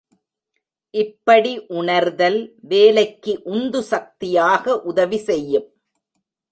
இப்படி உணர்தல் வேலைக்கு உந்து சக்தியாக உதவி செய்யும்.